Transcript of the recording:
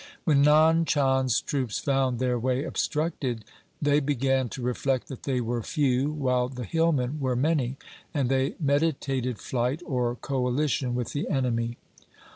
When Nand Chand's troops found their way obstructed, they began to reflect that they were few, while the hillmen were many, and they meditated flight or coalition with the enemy.